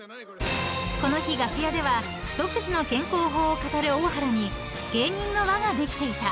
［この日楽屋では独自の健康法を語る大原に芸人の輪ができていた］